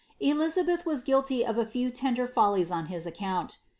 Elizabeth was guiity of a few leader follies on his account.